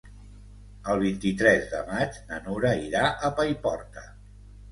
El vint-i-tres de maig na Nura irà a Paiporta.